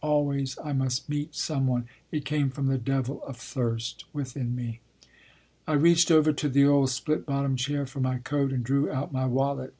Always I must meet some one it came from the devil of thirst within me. I reached over to the old split bottom chair for my coat and drew out my wallet.